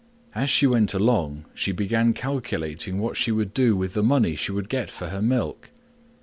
As she went along she began calculating what she would do with the money she would get for the milk.